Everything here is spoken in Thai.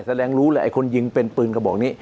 แสดงรู้เลยไอ้คนยิงเป็นปืนกระบอกนี้